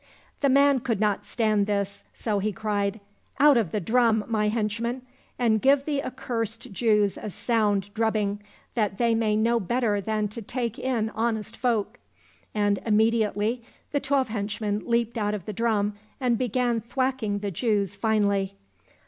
The man could not stand this, so he cried, " Out of the drum, my henchmen ! and give the accursed Jews a sound drubbing, that they may know better than to take in honest folk !" and imme diately the twelve henchmen leaped out of the drum and began thwacking the Jews finely.